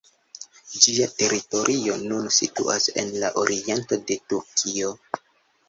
Ĝia teritorio nun situas en la oriento de Turkio.